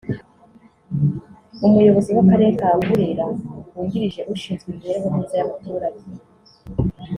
umuyobozi w’Akarere ka Burera wungirije ushinzwe imibereho myiza y’abaturage